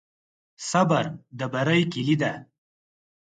صبر د بری کلي ده.